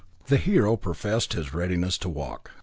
The hero professed his readiness to walk.